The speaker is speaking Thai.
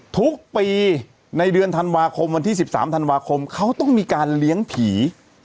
ทุกปีในเดือนธันวาคมวันที่๑๓ธันวาคมเขาต้องมีการเลี้ยงผี